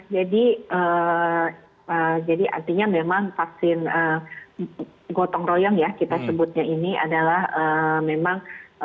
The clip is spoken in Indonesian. artinya memang vaksin gotong royong ya kita sebutnya ini adalah memang